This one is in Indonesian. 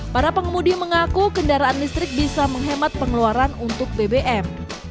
para pengemudi mengaku kendaraan listrik bisa menghemat pengeluaran untuk bbm